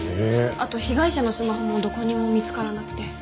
あと被害者のスマホもどこにも見つからなくて。